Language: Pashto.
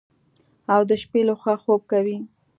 او د شپې لخوا خوب کوي.